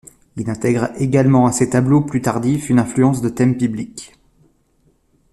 Il intègre également à ses tableaux plus tardifs une influence de thèmes bibliques.